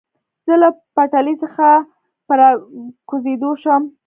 زه له پټلۍ څخه په را کوزېدو شوم.